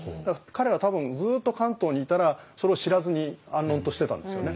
彼は多分ずっと関東にいたらそれを知らずに安穏としてたんですよね。